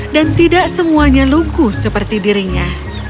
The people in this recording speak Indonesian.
dan tidak semuanya lugu seperti dirinya